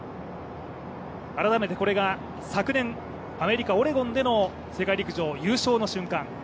改めてこれが昨年、アメリカオレゴンでの世界陸上優勝の瞬間。